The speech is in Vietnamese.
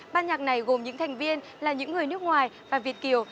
ban nhạc này gồm những thành viên là những người nước ngoài và việt kiều